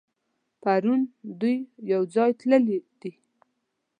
پرون دوی يوځای تللي دي.